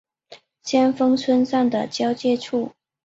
先锋村站的交界处。